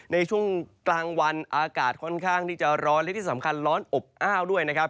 ในช่วงกลางวันอากาศค่อนข้างที่จะร้อนและที่สำคัญร้อนอบอ้าวด้วยนะครับ